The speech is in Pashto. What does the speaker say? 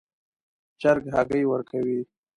چرګ هګۍ ورکوي